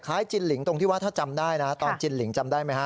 จินหลิงตรงที่ว่าถ้าจำได้นะตอนจินหลิงจำได้ไหมฮะ